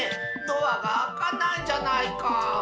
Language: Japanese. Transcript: ドアがあかないじゃないか。